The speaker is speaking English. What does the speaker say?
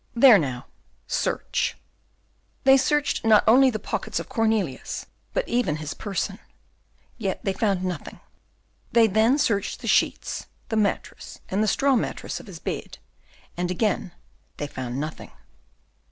"There, now search!" They searched not only the pockets of Cornelius, but even his person; yet they found nothing. They then searched the sheets, the mattress, and the straw mattress of his bed; and again they found nothing.